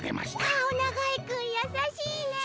かおながいくんやさしいねえ。